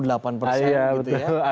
ada yang sampai selesai itu ya